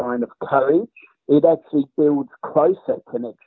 ini sebenarnya membuat hubungan lebih dekat